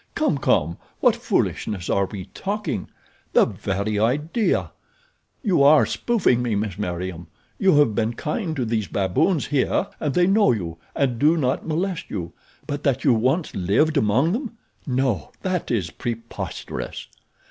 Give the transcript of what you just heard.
Come, come, what foolishness are we talking! The very idea! You are spoofing me, Miss Meriem. You have been kind to these baboons here and they know you and do not molest you; but that you once lived among them—no, that is preposterous."